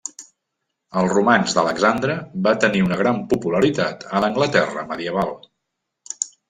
El romanç d'Alexandre va tenir una gran popularitat a l'Anglaterra medieval.